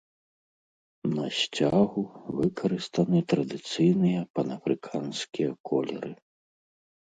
На сцягу выкарыстаны традыцыйныя панафрыканскія колеры.